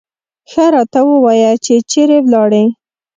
ښه راته ووایه چې چېرې ولاړې.